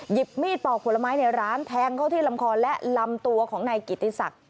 หยิบมีดปอกผลไม้ในร้านแทงเข้าที่ลำคอและลำตัวของนายกิติศักดิ์